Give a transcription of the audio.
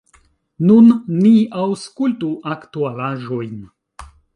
Nun ni aŭskultu aktualaĵojn.